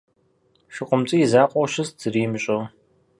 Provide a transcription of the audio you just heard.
ШыкъумцӀий и закъуэу щыст зыри имыщӏэу.